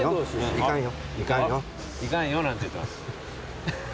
「いかんよ」なんて言ってます。